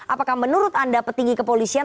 apakah menurut anda petinggi kepolisian